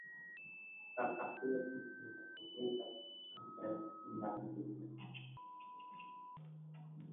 তাঁর প্রাপ্তবয়স্ক ছেলে তাঁকে এই কাজে উৎসাহ দেওয়ায় তিনি রাজি হয়েছিলেন।